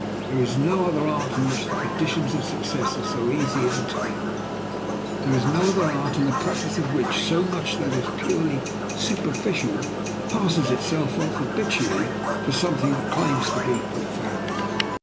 There is no other art in which the conditions of success are so easy of attainment; there is no other art in the practice of which so much that is purely superficial passes itself off habitually for something that claims to be profound.